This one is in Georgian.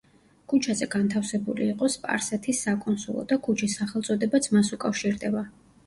ქუჩაზე განთავსებული იყო სპარსეთის საკონსულო და ქუჩის სახელწოდებაც მას უკავშირდება.